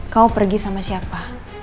kau pergi sama siapa